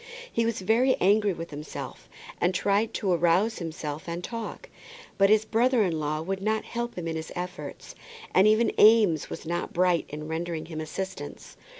He was very angry with himself, and tried to arouse himself and talk. But his brother in law would not help him in his efforts; and even Eames was not bright in rendering him assistance.